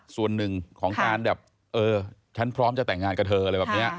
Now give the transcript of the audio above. ส่วนหนึ่งของการแบบเออฉันพร้อมจะแต่งงานกับเธออะไรแบบนี้